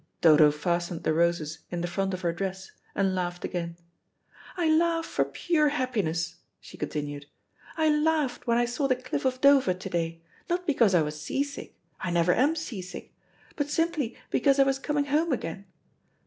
Dodo fastened the roses in the front of her dress, and laughed again. "I laugh for pure happiness," she continued. "I laughed when I saw the cliff of Dover to day, not because I was sea sick I never am sea sick but simply because I was coming home again.